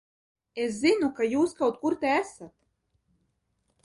Es zinu, ka jūs kaut kur te esat!